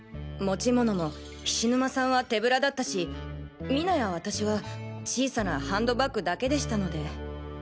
持ち物も菱沼さんは手ブラだったし水菜や私は小さなハンドバッグだけでしたので。